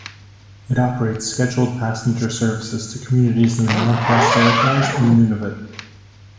It operates scheduled passenger services to communities in the Northwest Territories and Nunavut.